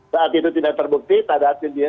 saat itu tidak terbukti